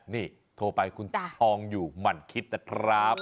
นี่โทรไปคุณทองอยู่หมั่นคิดนะครับ